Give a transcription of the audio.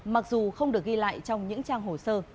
mặc dù không được ghi lại trong những trang hồ sơ